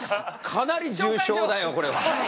かなり重症だよこれは。